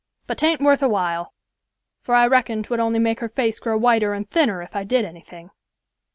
But 'tain't worth a while, for I reckon 'twould only make her face grow whiter and thinner if I did anything."